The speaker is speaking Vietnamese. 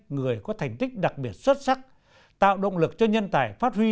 người có thành tích đặc biệt xuất sắc tạo động lực cho nhân tài phát huy